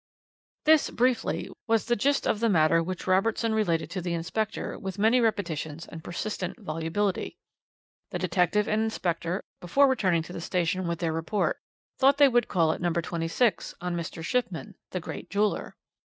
"This, briefly, was the gist of the matter which Robertson related to the inspector with many repetitions and persistent volubility. "The detective and inspector, before returning to the station with their report, thought they would call at No. 26, on Mr. Shipman, the great jeweller.